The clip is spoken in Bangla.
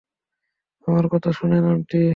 আমার কথা শোনেন আন্টি?